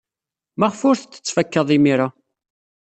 Maɣef ur t-tettfakaḍ imir-a?